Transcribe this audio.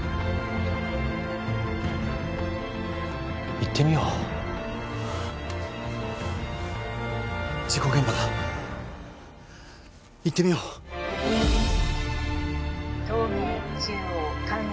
行ってみよう事故現場だ行ってみよう東名中央関越